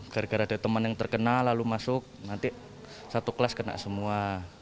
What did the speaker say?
gara gara ada teman yang terkena lalu masuk nanti satu kelas kena semua